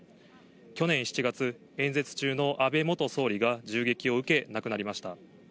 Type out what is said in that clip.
去年７月、演説中の安倍元総理が銃撃を受け、亡くなりました。